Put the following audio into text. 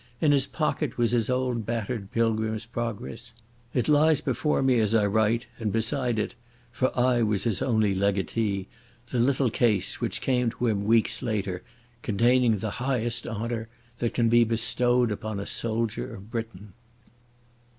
In his pocket was his old battered Pilgrim's Progress. It lies before me as I write, and beside it—for I was his only legatee—the little case which came to him weeks later, containing the highest honour that can be bestowed upon a soldier of Britain.